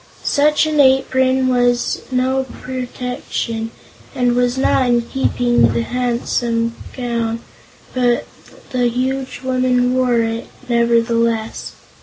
Such an apron was no protection, and was not in keeping with the handsome gown, but the huge woman wore it, nevertheless.